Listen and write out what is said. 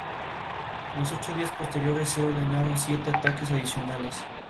En los ocho días posteriores se ordenaron siete ataques adicionales.